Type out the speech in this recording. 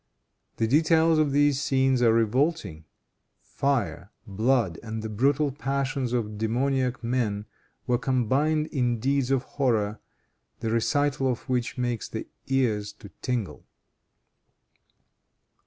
The details of these scenes are revolting. Fire, blood and the brutal passions of demoniac men were combined in deeds of horror, the recital of which makes the ears to tingle.